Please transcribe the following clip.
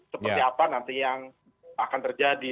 seperti apa nanti yang akan terjadi